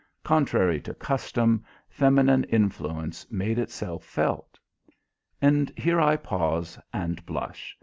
Contrary to custom feminine influence made itself felt. And here I pause and blush.